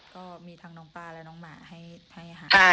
ก็มีทั้งน้องป้าและน้องหมาให้ค่ะ